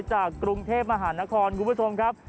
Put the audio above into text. จากกรุงเทพมหานครคุณผู้ชมครับ